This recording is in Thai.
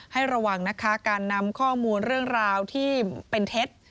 ระวังนะคะการนำข้อมูลเรื่องราวที่เป็นเท็จ